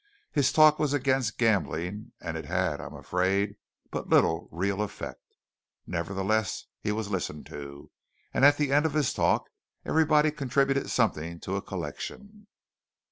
His talk was against gambling, and it had, I am afraid, but little real effect. Nevertheless he was listened to; and at the end of his talk everybody contributed something to a collection.